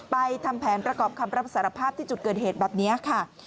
ทำแผนประกอบคำรับสารภาพที่จุดเกิดเหตุแบบนี้ค่ะ